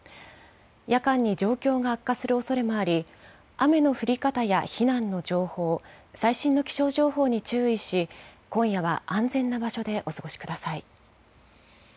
夜間に状況が悪化するおそれもあり、雨の降り方や避難の情報、最新の情報に注意し、今夜は安全な場所でお過ごしください。